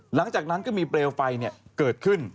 หลังจากนั้นก็มีเปลวไฟเกิดขึ้น